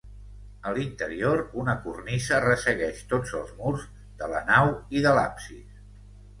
A l'interior, una cornisa ressegueix tots els murs, de la nau i de l'absis.